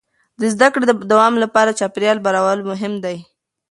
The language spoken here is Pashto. د زده کړې د دوام لپاره چاپېریال برابرول مهم دي.